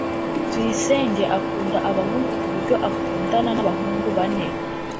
Tuyisenge akunda abahungu kuburyo akundana nabahungu bane